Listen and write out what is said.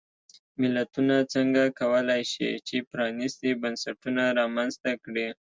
ملتونه څنګه کولای شي چې پرانیستي بنسټونه رامنځته کړي.